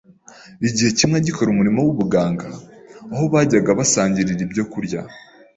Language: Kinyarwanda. Igihe kimwe agikora umurimo w’ubuganga, aho bajyaga basangirira ibyo kurya